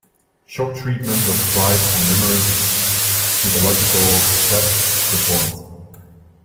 Shock treatment was tried and numerous psychological tests performed.